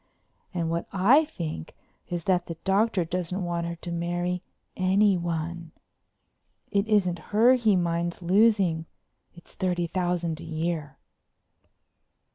And what I think is that the Doctor doesn't want her to marry anyone. It isn't her he minds losing; it's thirty thousand a year."